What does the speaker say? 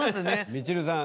みちるさん